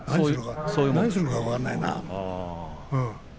何するか分かんないから。